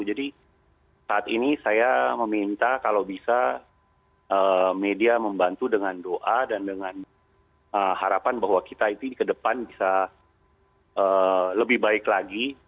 jadi saat ini saya meminta kalau bisa media membantu dengan doa dan dengan harapan bahwa kita itu ke depan bisa lebih baik lagi